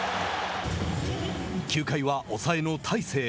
９回は抑えの大勢。